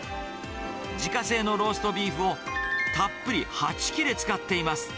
自家製のローストビーフをたっぷり８切れ使っています。